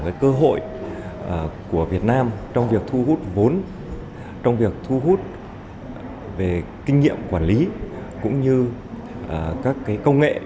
cái cơ hội của việt nam trong việc thu hút vốn trong việc thu hút về kinh nghiệm quản lý cũng như các công nghệ